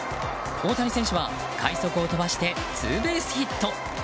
大谷選手は快足を飛ばしてツーベースヒット。